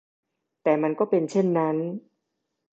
แต่มันก็เป็นเช่นนั้น